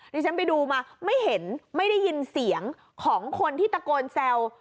ที่ฉันไปดูมาไม่เห็นไม่ได้ยินเสียงของคนที่ตะโกนแซว